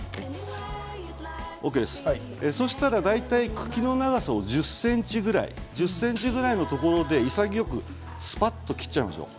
茎の長さを１０ｃｍぐらいのところで潔くすぱっと切ってしまいましょう。